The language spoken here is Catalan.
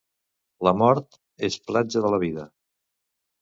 La mort és platja de la vida.